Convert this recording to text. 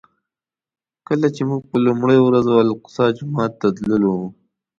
کله چې موږ په لومړي ورځ الاقصی جومات ته تللو.